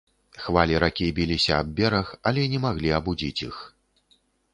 Хвалі ракі біліся аб бераг, але не маглі абудзіць іх.